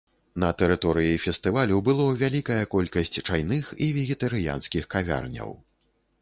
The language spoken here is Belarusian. На тэрыторыі фестывалю было вялікая колькасць чайных і вегетарыянскіх кавярняў.